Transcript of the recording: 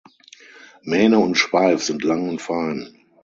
Mähne und Schweif sind lang und fein.